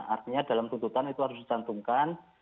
artinya dalam tuntutan itu harus dicantumkan